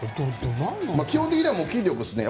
基本的には筋力ですね。